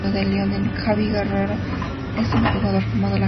Javi Guerrero es un jugador formado en la cantera del Real Madrid.